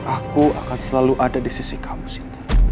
aku akan selalu ada di sisi kamu sinti